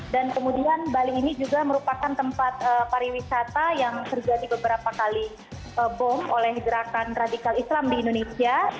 dan kemudian bali ini juga merupakan tempat pariwisata yang terjadi beberapa kali bom oleh gerakan radikal islam di indonesia